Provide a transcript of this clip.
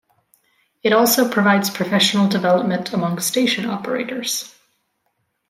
It also provides professional development among station operators.